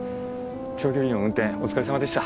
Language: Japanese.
長距離の運転お疲れさまでした。